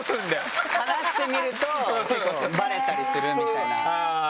話してみるとバレたりするみたいな。